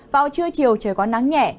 vào trưa chiều trời có nắng nhẹ